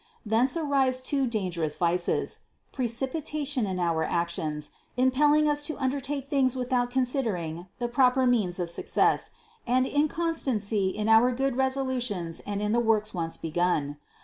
Thence arise two dangerous vices: precipitation in our actions, impelling us to undertake things without considering the proper means of success, and incon stancy in our good resolutions and in the works once begun.